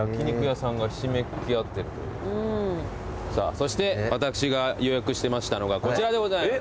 そして私が予約してましたのがこちらでございます。